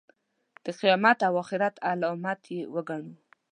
د قیامت او آخرت علامت یې وګڼو.